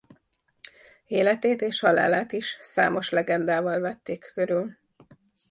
Életét és halálát is számos legendával vették körül.